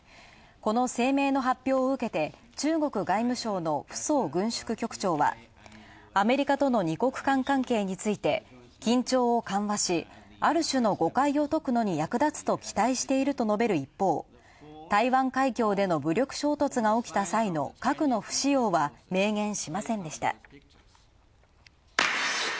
この声明の発表をうけて中国外務省のフソウ軍縮局長は、アメリカとの２国間関係について緊張を緩和し、ある種の誤解をとくのに役立つと期待していると述べる一方、台湾海峡での武力衝突が起きた際の核の不使用は明言しませんでした。